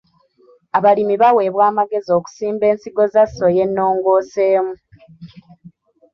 Abalimi baweebwa amagezi okusimba ensigo za soya ennongoseemu.